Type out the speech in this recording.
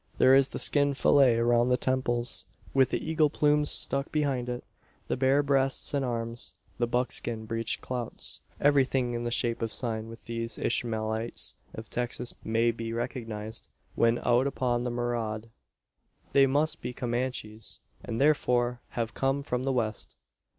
There is the skin fillet around the temples, with the eagle plumes stuck behind it. The bare breasts and arms; the buckskin breech clouts everything in the shape of sign by which these Ishmaelites of Texas may be recognised, when out upon the maraud. They must be Comanches: and, therefore, have come from the west.